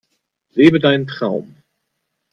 Lebe deinen Traum!